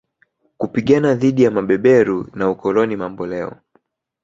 kupigana dhidi ya mabeberu na ukoloni mamboleo